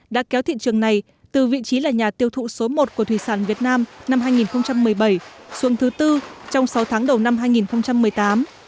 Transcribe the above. đã kéo thị trường này từ vị trí là nhà tiêu thụ số một của thủy sản việt nam năm hai nghìn một mươi bảy xuống thứ tư trong sáu tháng đầu năm hai nghìn một mươi tám